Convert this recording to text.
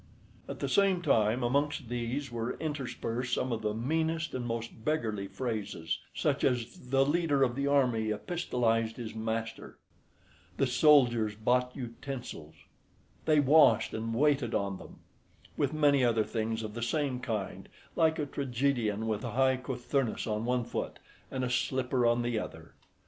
At the same time amongst these were interspersed some of the meanest and most beggarly phrases, such as "the leader of the army epistolised his master," "the soldiers bought utensils," "they washed and waited on them," with many other things of the same kind, like a tragedian with a high cothurnus on one foot and a slipper on the other.